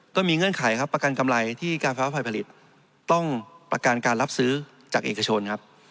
ก็มีเงื่อนไขประกันกำไรที่การไฟฟ้าไฟผลิตต้องประกันการรับซื้อจากเอกชน